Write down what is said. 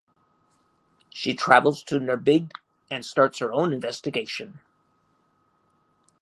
She travels to Nerbygd and starts her own investigation.